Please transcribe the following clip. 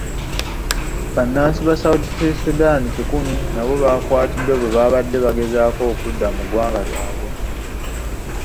Bannansi ba South Sudan kikumi nabo bakwatiddwa bwebaabadde bagezaako okudda mu ggwanga lyabwe.